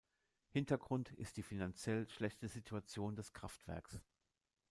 Hintergrund ist die finanziell schlechte Situation des Kraftwerks.